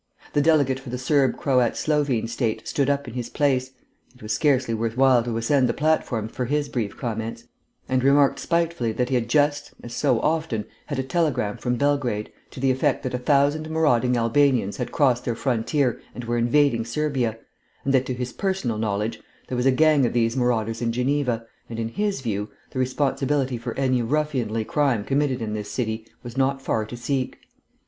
The delegate for the Serb Croat Slovene state stood up in his place (it was scarcely worth while to ascend the platform for his brief comments) and remarked spitefully that he had just (as so often) had a telegram from Belgrade to the effect that a thousand marauding Albanians had crossed their frontier and were invading Serbia, and that, to his personal knowledge, there was a gang of these marauders in Geneva, and, in his view, the responsibility for any ruffianly crime committed in this city was not far to seek.